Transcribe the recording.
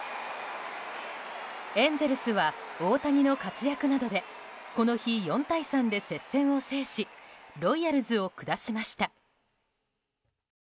エンゼルスは大谷の活躍などでこの日、４対３で接戦を制しロイヤルズを下しました。